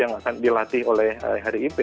dan marcus yang akan dilatih oleh harry ipe